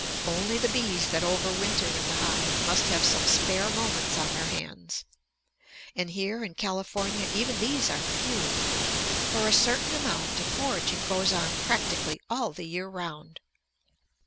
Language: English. Only the bees that over winter in the hive must have some spare moments on their hands. And here in California even these are few, for a certain amount of foraging goes on practically all the year round.